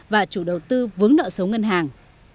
và chủ đầu tư vướng nợ số ngân hàng